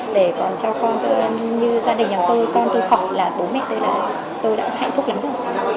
để còn cho như gia đình nhà tôi con tôi khỏi là bố mẹ tôi là tôi đã hạnh phúc lắm rồi